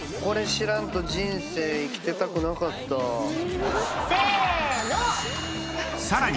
これ知らんと人生生きてたくなかった。